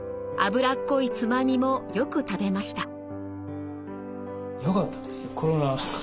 脂っこいつまみもよく食べました。